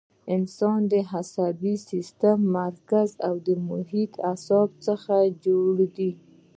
د انسان عصبي سیستم له مرکزي او محیطي اعصابو څخه جوړ دی.